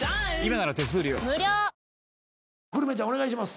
お願いします。